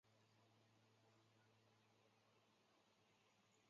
他因电影贫民窟的百万富翁赢得了奥斯卡最佳音响效果奖。